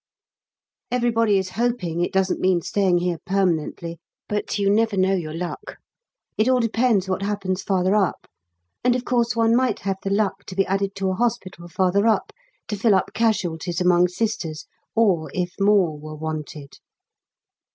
Everybody is hoping it doesn't mean staying here permanently, but you never know your luck. It all depends what happens farther up, and of course one might have the luck to be added to a hospital farther up to fill up casualties among Sisters or if more were wanted.